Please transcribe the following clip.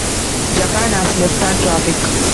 Japan has left-hand traffic.